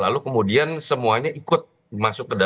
lalu kemudian semuanya ikut masuk ke dalam